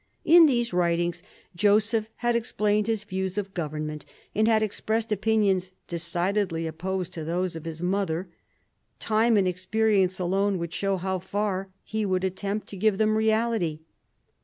In these writings, Joseph had explained his views of government, and had expressed opinions decidedly opposed to those of his mother; time and experience alone could show how far he would attempt to give them reality.